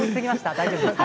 大丈夫ですか？